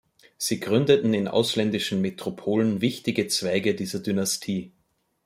Sie gründeten in ausländischen Metropolen wichtige Zweige dieser Dynastie.